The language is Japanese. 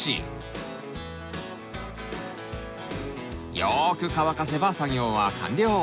よく乾かせば作業は完了。